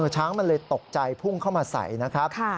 ช้างมันเลยตกใจพุ่งเข้ามาใส่นะครับ